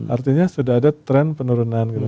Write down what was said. artinya sudah ada tren penurunan gitu